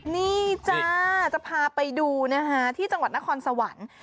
นี่จ้าจะพาไปดูนะคะที่จังหวัดนครสวรรค์